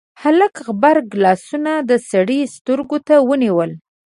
هلک غبرګ لاسونه د سړي سترګو ته ونيول: